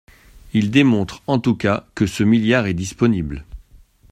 Ils démontrent en tout cas que ce milliard est disponible.